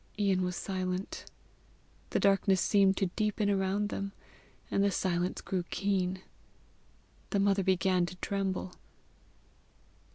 Ian was silent. The darkness seemed to deepen around them, and the silence grew keen. The mother began to tremble.